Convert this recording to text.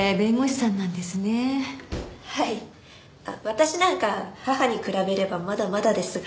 私なんか母に比べればまだまだですが。